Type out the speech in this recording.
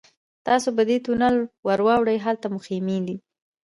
تاسو په دې تونل ورواوړئ هلته مو خیمې دي.